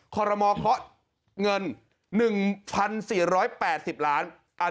ครมศพเงิน๑๔๘๐ล้านบาท